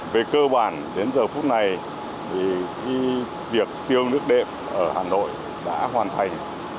về cơ bản đến giờ phút này thì việc tiêu nước đệm ở hà nội đã hoàn thành